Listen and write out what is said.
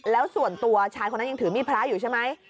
แล้วส่วนตัวชายคนนั้นยังถือมีดพระอยู่ใช่ไหม